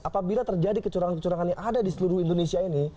apabila terjadi kecurangan kecurangan yang ada di seluruh indonesia ini